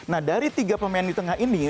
nah dari tiga pemain di tengah ini